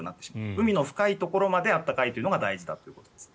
海の深いところまで暖かいというのが大事だということです。